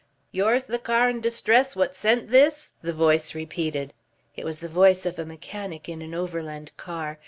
"Yours the car in distress what sent this?" the voice repeated. It was the voice of a mechanic in an Overland car.